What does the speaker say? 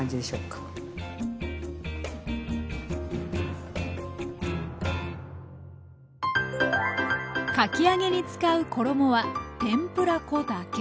かき揚げに使う衣は天ぷら粉だけ。